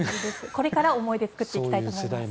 これから思い出作っていきたいです。